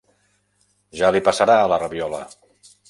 Ja li passarà, la rabiola!